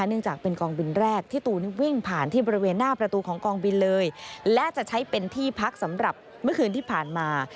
เนื่องจากเป็นกองบินแรกที่ตูนวิ่งผ่านที่บริเวณหน้าประตูของกองบินเลยและจะใช้เป็นที่พักสำหรับเมื่อคืนที่ผ่านมา